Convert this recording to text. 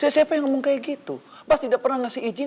siapa yang ngomong kayak gitu mas tidak pernah ngasih izin